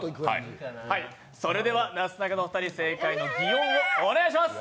それではなすなかのお二人、正解の擬音をお願いします。